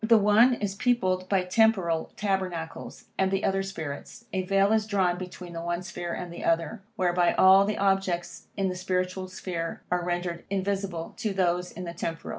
The one is peopled by temporal tabernacles, and the other by spirits. A vail is drawn between the one sphere and the other, whereby all the objects in the spiritual sphere are rendered invisible to those in the temporal.